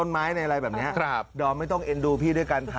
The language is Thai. มันมีอุปกรณ์